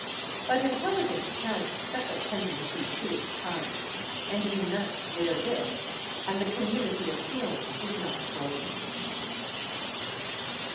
But intelligence has a special tendency to its kind, and unites therewith, and the community of feeling is not broken.